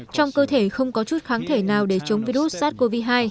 trong cơ thể không có chút kháng thể nào để chống virus sars cov hai